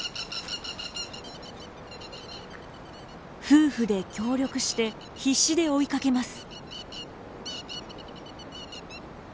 夫婦で協力して必死で追いかけます。